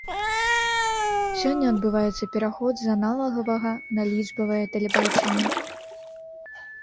Сёння адбываецца пераход з аналагавага на лічбавае тэлебачанне.